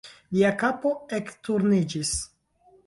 Lia kapo ekturniĝis.